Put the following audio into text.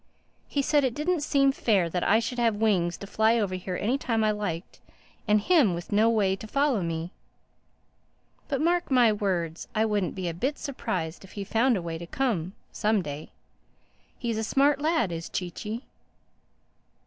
He said it didn't seem fair that I should have wings to fly over here any time I liked, and him with no way to follow me. But mark my words, I wouldn't be a bit surprised if he found a way to come—some day. He's a smart lad, is Chee Chee."